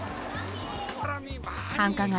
繁華街